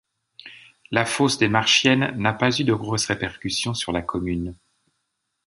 La fosse de Marchiennes n'a pas eu de grosses répercussions sur la commune.